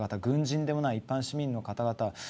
軍人でない一般市民の方々。